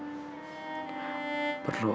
bidah dariku kini tersenyum lagi